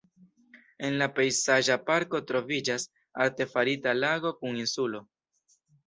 En la pejzaĝa parko troviĝas artefarita lago kun insulo.